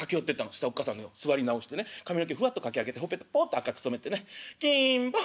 そしたらおっ母さん座り直してね髪の毛ふわっとかき上げてほっぺたポッと赤く染めてね『金坊お前